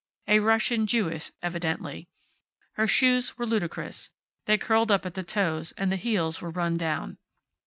A Russian Jewess, evidently. Her shoes were ludicrous. They curled up at the toes, and the heels were run down.